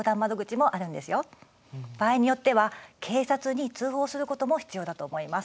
場合によっては警察に通報することも必要だと思います。